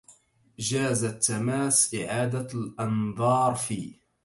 جاز التماس إعادة الأنظار في